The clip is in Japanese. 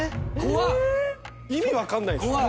意味分かんないんすよ。